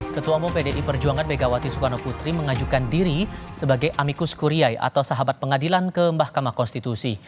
ketua umum pdi perjuangan megawati soekarno putri mengajukan diri sebagai amikus kuriay atau sahabat pengadilan ke mahkamah konstitusi